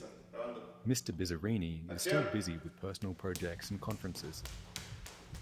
Mr Bizzarrini is still busy with personal projects and conferences.